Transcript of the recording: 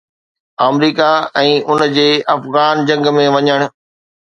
آمريڪا ۽ ان جي افغان جنگ ۾ وڃڻ.